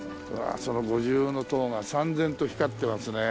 その五重塔が燦然と光ってますね。